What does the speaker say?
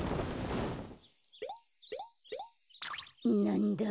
なんだ？